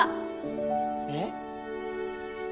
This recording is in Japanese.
えっ？